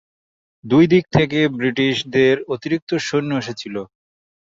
দুই দিক থেকে ব্রিটিশদের অতিরিক্ত সৈনিক এসেছিল।